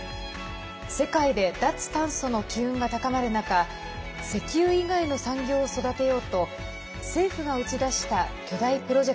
世界で脱炭素の機運が高まる中石油以外の産業を育てようと政府が打ち出した巨大プロジェクトと「キャッチ！